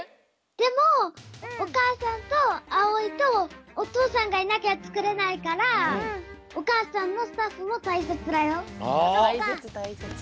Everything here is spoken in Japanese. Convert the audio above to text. でもおかあさんとあおいとおとうさんがいなきゃつくれないからおかあさんのたいせつたいせつ。